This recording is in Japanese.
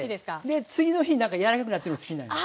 で次の日何か柔らかくなってるの好きなんよ。